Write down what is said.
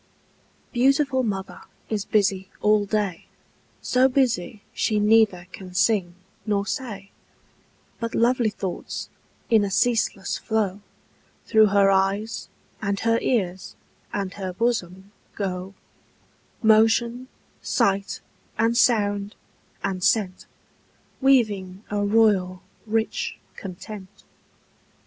_ Beautiful mother is busy all day, So busy she neither can sing nor say; But lovely thoughts, in a ceaseless flow, Through her eyes, and her ears, and her bosom go Motion, sight, and sound, and scent, Weaving a royal, rich content.